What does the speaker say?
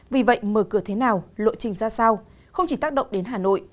vì vậy mở cửa thế nào lộ trình ra sao không chỉ tác động đến hà nội